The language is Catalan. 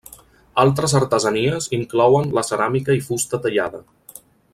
Altres artesanies inclouen la ceràmica i fusta tallada.